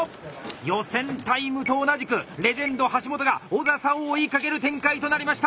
予選タイムと同じくレジェンド橋本が小佐々を追いかける展開となりました